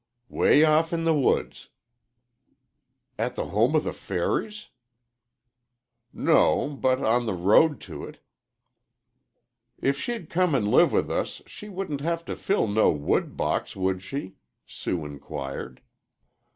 "Way off in the woods." "At the home of the fairies?" "No, but on the road to it." "If she'd come an' live with us, she wouldn't have to fill no wood box, would she?" Sue inquired.